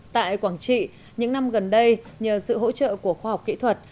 tại quảng trị những năm gần đây nhờ sự hỗ trợ của khoa học kỹ thuật